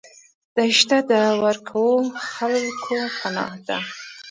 دښته د ورکو خلکو پناه ده.